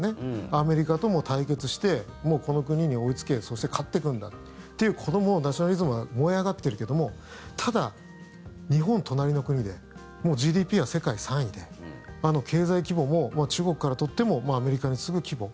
アメリカとも対決してこの国に追いつけそして勝ってくんだというナショナリズムは燃え上がっているけどもただ、日本、隣の国でもうＧＤＰは世界３位で経済規模も中国からとってもアメリカに次ぐ規模。